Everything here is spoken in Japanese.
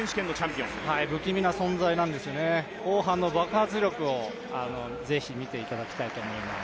不気味な存在なんですよね、後半の爆発力を見ていただきたいと思います。